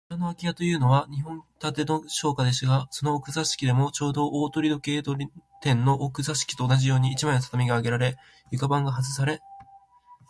裏のあき家というのは、日本建ての商家でしたが、その奥座敷でも、ちょうど大鳥時計店の奥座敷と同じように、一枚の畳があげられ、床板がはずされ、